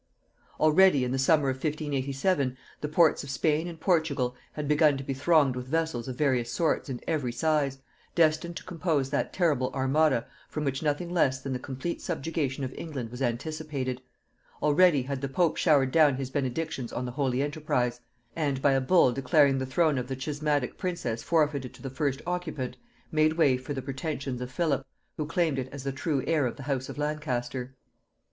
Already in the summer of 1587 the ports of Spain and Portugal had begun to be thronged with vessels of various sorts and every size, destined to compose that terrible armada from which nothing less than the complete subjugation of England was anticipated; already had the pope showered down his benedictions on the holy enterprise; and, by a bull declaring the throne of the schismatic princess forfeited to the first occupant, made way for the pretensions of Philip, who claimed it as the true heir of the house of Lancaster.